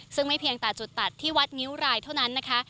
ซึ่งไม่เพียงแต่จุดตัดที่วัดงิ้วรายเท่านั้นนะคะ